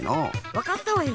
わかったわよ。